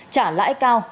trả lãi cao